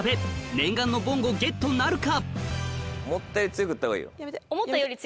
念願のぼんごゲットなるか？